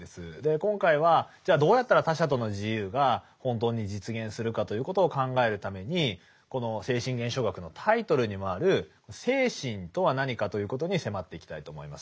今回はじゃあどうやったら他者との自由が本当に実現するかということを考えるためにこの「精神現象学」のタイトルにもある精神とは何かということに迫っていきたいと思います。